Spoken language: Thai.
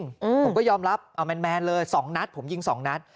ผมก็ยอมรับเอาแมนเลย๒นัดผมยิงสองนัด